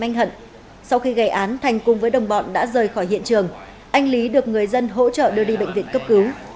anh hận sau khi gây án thành cùng với đồng bọn đã rời khỏi hiện trường anh lý được người dân hỗ trợ đưa đi bệnh viện cấp cứu